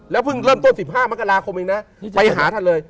แล้วเริ่มต้น๑๕มกราคมไปหาท่านเลย